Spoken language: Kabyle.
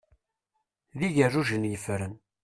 D igerrujen yeffren.